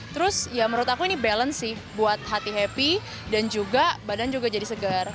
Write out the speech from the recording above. terus ya menurut aku ini balance sih buat hati happy dan juga badan juga jadi segar